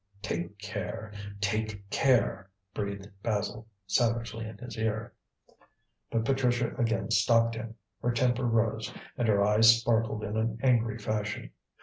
"Take care; take care!" breathed Basil savagely in his ear. But Patricia again stopped him. Her temper rose, and her eyes sparkled in an angry fashion.